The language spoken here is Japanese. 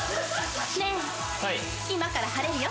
ねえ今から晴れるよ。